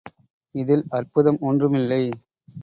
இதில் அற்புதம் ஒன்றுமில்லை.